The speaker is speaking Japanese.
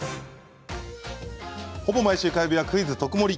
ほぼ毎週火曜日は「クイズとくもり」。